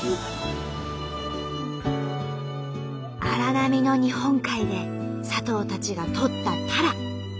荒波の日本海で佐藤たちがとったタラ。